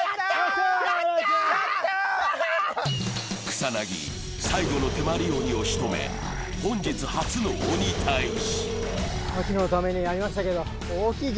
草薙、最後の手まり鬼を仕留め、本日初の鬼タイジ。